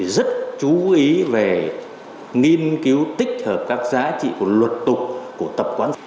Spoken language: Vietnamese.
rất chú ý về nghiên cứu tích hợp các giá trị của luật tục của tập quán sử